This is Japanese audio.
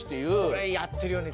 これやってるよね